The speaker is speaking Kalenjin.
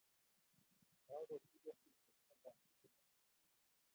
Kagotuiyo sigik ako konetik